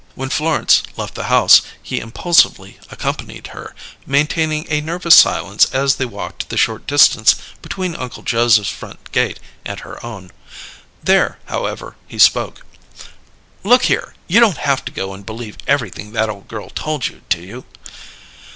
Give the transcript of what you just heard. When Florence left the house, he impulsively accompanied her, maintaining a nervous silence as they walked the short distance between Uncle Joseph's front gate and her own. There, however, he spoke. "Look here! You don't haf to go and believe everything that ole girl told you, do you?"